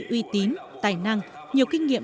uy tín tài năng nhiều kinh nghiệm